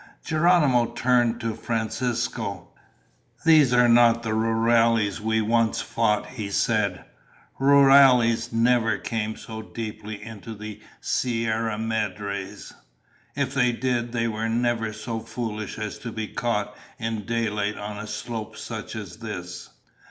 Geronimo turned to Francisco. "These are not the rurales we once fought," he said. "Rurales never came so deeply into the Sierra Madres. If they did, they were never so foolish as to be caught in daylight on a slope such as this."